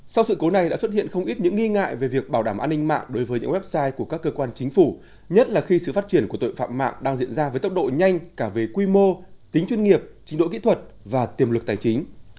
sau sự cố này đã xuất hiện không ít những nghi ngại về việc bảo đảm an ninh mạng đối với những website của các cơ quan chính phủ nhất là khi sự phát triển của tội phạm mạng đang diễn ra với tốc độ nhanh cả về quy mô tính chuyên nghiệp trình độ kỹ thuật và tiềm lực tài chính